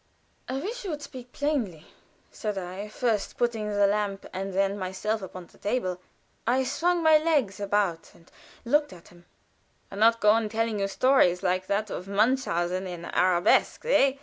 "I wish you would speak plainly," said I, first putting the lamp and then myself upon the table. I swung my legs about and looked at him. "And not go on telling you stories like that of Munchausen, in Arabesks, eh?